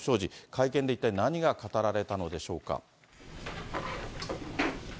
会見で一体何が語られたのでしょうか。